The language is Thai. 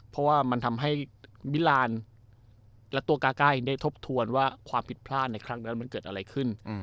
เพราะว่ามันทำให้มิลานและตัวกาใกล้ได้ทบทวนว่าความผิดพลาดในครั้งนั้นมันเกิดอะไรขึ้น